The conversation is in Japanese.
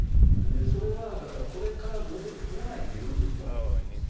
それはこれからもうちょっと党内で議論していったほうがいいと思います。